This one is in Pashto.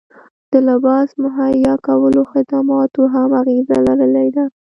د لباس مهیا کولو خدماتو هم اغیزه لرلې ده